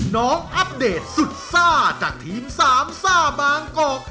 น้องอัปเดตสุดซ่าจากทีม๓ซ่าบางกอก